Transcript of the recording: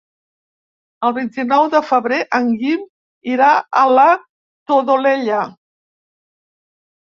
El vint-i-nou de febrer en Guim irà a la Todolella.